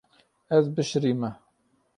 Ez bişirîme.